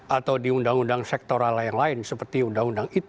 atau di undang undang sektor lain lain seperti undang undang it